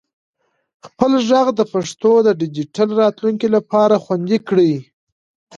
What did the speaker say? خپل ږغ د پښتو د ډیجیټل راتلونکي لپاره خوندي کړئ.